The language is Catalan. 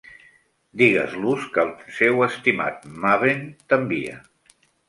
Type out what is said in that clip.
Digues-los que el seu estimat "Maven" t'envia.